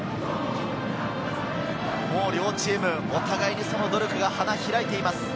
両チーム、お互いに努力が花開いています。